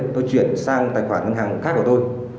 tôi chuyển sang tài khoản ngân hàng khác của tôi